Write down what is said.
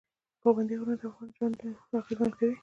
پابندی غرونه د افغانانو ژوند اغېزمن کوي.